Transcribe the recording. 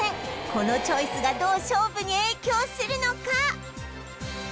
このチョイスがどう勝負に影響するのか？